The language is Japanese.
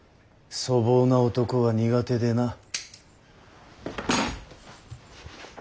粗暴な男は苦手でな。